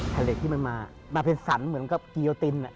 ทะเลที่มันมามาเป็นสันเหมือนกับกีโยติน